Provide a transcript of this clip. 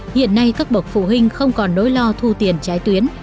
hiện nay các bậc phụ huynh không còn nỗi lo thu tiền trái tuyến